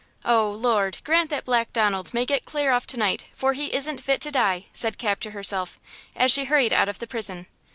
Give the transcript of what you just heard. Oh, Lord grant that Black Donald may get clear off to night, for he isn't fit to die!" said Cap to herself, as she hurried out of the prison.